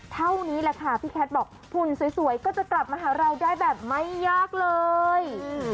เท่านี้แหละค่ะพี่แคทบอกหุ่นสวยก็จะกลับมาหาเราได้แบบไม่ยากเลย